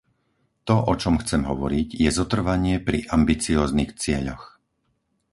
To, o čom chcem hovoriť, je zotrvanie pri ambicióznych cieľoch.